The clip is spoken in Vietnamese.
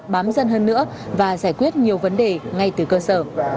bám dân hơn nữa và giải quyết nhiều vấn đề ngay từ cơ sở